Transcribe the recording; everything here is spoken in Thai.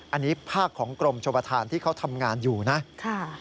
อันนี้ภาคของกรมชมประธานที่เขาทำงานอยู่นะ